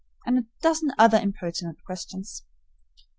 And a dozen other impertinent questions.